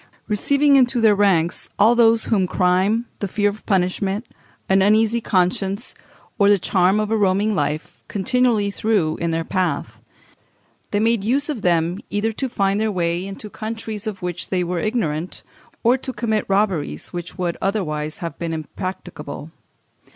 Receiving into their ranks all those whom crime, the fear of punishment, an uneasy conscience, or the charm of a roaming life, continually threw in their path, they made use of them either to find their way into countries of which they were ignorant, or to commit robberies which would otherwise have been impracticable.